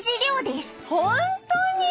本当に？